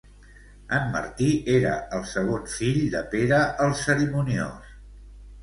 En Martí era el segon fill de Pere el Cerimoniós.